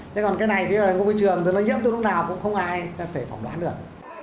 thế còn cái này thì ngoài môi trường thì nó nhiễm từ lúc nào cũng không ai có thể phỏng đoán được